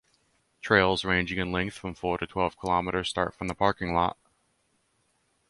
Trails ranging in length from four to twelve km start from the parking lot.